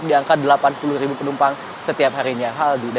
ini juga panik